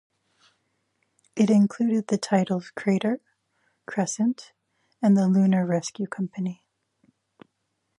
It included the titles "Crater", "Crescent", and "The Lunar Rescue Company".